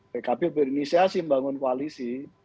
pkb berinisiasi membangun koalisi